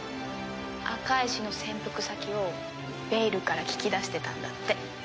赤石の潜伏先をベイルから聞き出してたんだって。